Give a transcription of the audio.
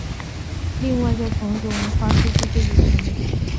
另在同一话中说出了自己全名。